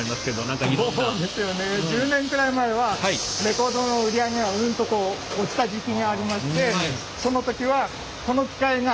そうですよね１０年くらい前はレコードの売り上げがうんとこう落ちた時期がありましてその時はこの機械が２台。